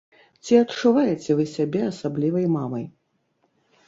Ці адчуваеце вы сябе асаблівай мамай?